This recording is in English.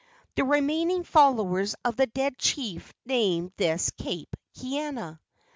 The remaining followers of the dead chief named this cape "Kaena."